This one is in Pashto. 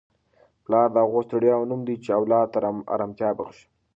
پلار د هغو ستړیاوو نوم دی چي اولاد ته ارامتیا بخښي.